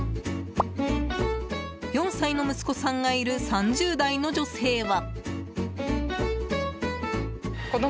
４歳の息子さんがいる３０代の女性は。